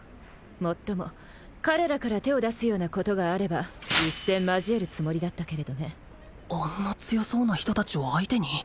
もっとも彼らから手を出すようなことがあれば一戦交えるつもりだったけれどねあんな強そうな人達を相手に？